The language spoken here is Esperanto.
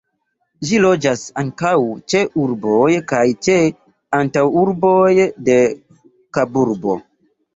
Ĝi loĝas ankaŭ ĉe urboj kaj ĉe antaŭurboj de Kaburbo.